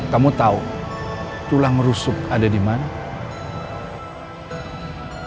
kamu tahu tulang rusuk ada dimana